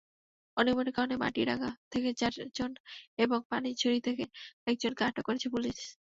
অনিয়মের কারণে মাটিরাঙ্গা থেকে চারজন এবং পানছড়ি থেকে একজনকে আটক করেছে পুলিশ।